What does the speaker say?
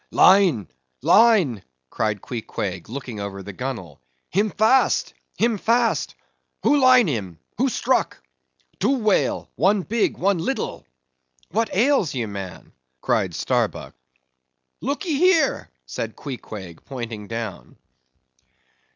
"Line! line!" cried Queequeg, looking over the gunwale; "him fast! him fast!—Who line him! Who struck?—Two whale; one big, one little!" "What ails ye, man?" cried Starbuck. "Look e here," said Queequeg, pointing down.